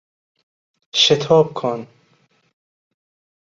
شتاب کن!